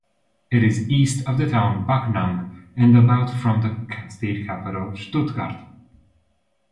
It is east of the town Backnang and about from the state capital Stuttgart.